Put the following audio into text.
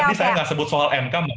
tadi saya tidak sebut soal mk